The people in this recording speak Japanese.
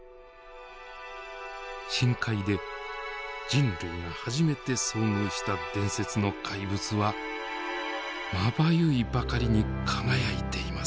深海で人類が初めて遭遇した伝説の怪物はまばゆいばかりに輝いています